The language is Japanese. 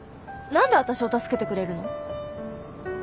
何で私を助けてくれるの？